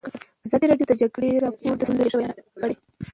ازادي راډیو د د جګړې راپورونه د ستونزو رېښه بیان کړې.